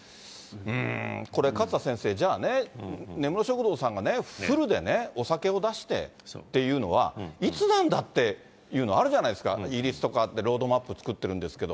これ勝田先生、じゃあね、根室食堂さんがフルでね、お酒を出してっていうのはいつなんだっていうの、あるじゃないですか、イギリスとかでロードマップ作ってるんですけど。